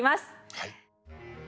はい。